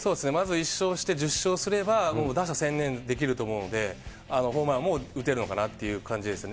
１勝して１０勝すれば、もう打者、専念できると思うので、ホームランも打てるのかなっていう感じですね。